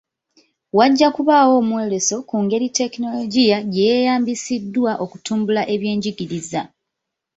Wajja kubaawo omwoleso ku ngeri tekinologiya gye yeyambisiddwa okutumbula ebyenjigiriza.